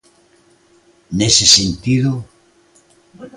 Nese sentido.